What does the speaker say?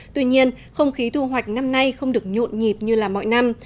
tuy nhiên không khí thu hoạch năm nay không được nhộn nhịp như là mọi năm